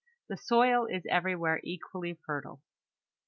The soil is everywhere equally fertile.